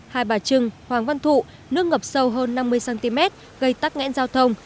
hai bà trừng hoàng văn thụ nước ngập sâu hơn năm mươi cm gây tắc ngẽn giao thông